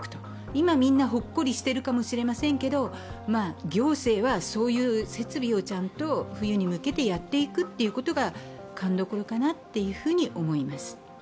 今、みんなほっこりしているかもしれませんけれども、行政はそういう設備をちゃんと冬に向けてやっていくことが勘どころかなと思います。